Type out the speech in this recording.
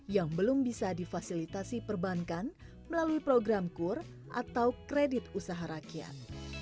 yang belum bisa difasilitasi perbankan melalui program kur atau kredit usaha rakyat